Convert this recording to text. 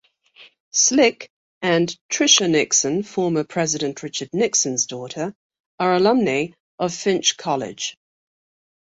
Slick and Tricia Nixon, former President Richard Nixon's daughter, are alumnae of Finch College.